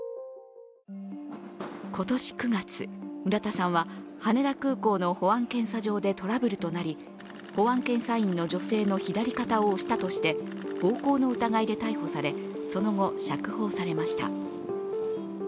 今年９月、村田さんは羽田空港の保安検査場でトラブルとなり、保安検査員の女性の左肩を押したとして暴行の疑いで逮捕されその後、釈放されました。